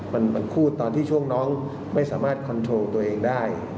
มันพูดตอนที่ช่วงน้องไม่สามารถคอนโทรตัวเองได้